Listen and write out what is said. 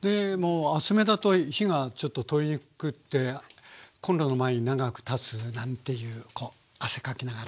でも厚めだと火がちょっと通りにくくてコンロの前に長く立つなんていうこう汗かきながら。